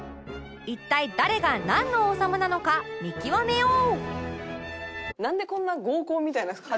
一体誰がなんの王様なのか見極めよう